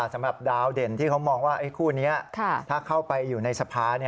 สำหรับดาวเด่นที่เขามองว่าคู่นี้ถ้าเข้าไปอยู่ในสภา